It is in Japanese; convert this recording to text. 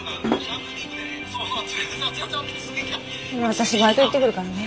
私バイト行ってくるからね。